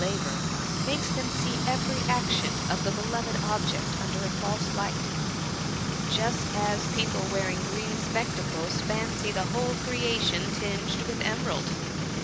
labour^ makes them see every action of the beloved object under a false light ; just as people wearing green spectacles fancy the whole creation tinged with emerald.